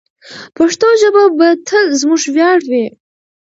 پښتو ژبه به تل زموږ ویاړ وي.